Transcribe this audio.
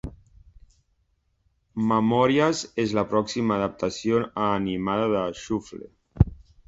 Memòries és la pròxima adaptació animada de "Shuffle"!